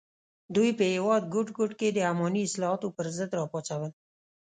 دوی په هېواد ګوټ ګوټ کې د اماني اصلاحاتو پر ضد راپاڅول.